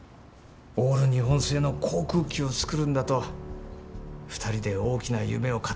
オール日本製の航空機を作るんだと２人で大きな夢を語り合っていたので。